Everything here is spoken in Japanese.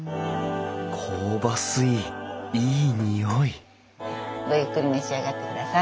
香ばしいいい匂いごゆっくり召し上がってください。